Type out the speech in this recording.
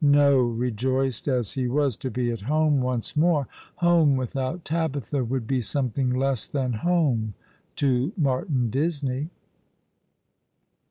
No, rejoiced as he was to be at home once more, home without Tabitha would be something less than home to Martin Disney.